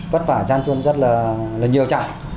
vất vả gian truân rất là nhiều chẳng